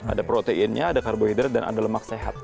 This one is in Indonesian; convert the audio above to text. ada proteinnya ada karbohidrat dan ada lemak sehat